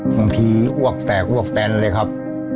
บางทีอ้วกแตกอ้วกแตนเลยครับ